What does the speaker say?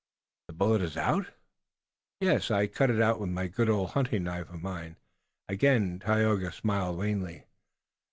"The bullet is out?" "Yes, I cut it out with this good old hunting knife of mine." Again Tayoga smiled wanly.